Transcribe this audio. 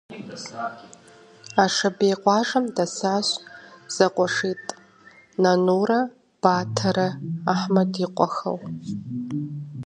Ашабей къуажэм дэсащ зэкъуэшитӀ Нанурэ Батэрэ - Ахъмэт и къуэхэу.